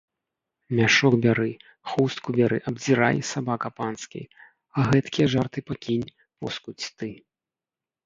Мяшок бяры, хустку бяры, абдзірай, сабака панскі, а гэткія жарты пакінь, поскудзь ты!